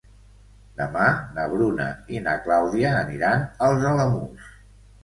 Demà na Bruna i na Clàudia aniran als Alamús.